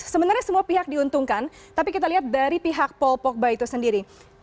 sebenarnya semua pihak diuntungkan tapi kita lihat dari pihak paul pogba itu sendiri